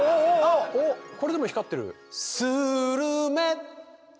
これでも光ってる。